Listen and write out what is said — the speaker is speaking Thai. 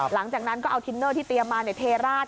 หลังจากนั้นก็เอาทินเนอร์ที่เตรียมมาเทราด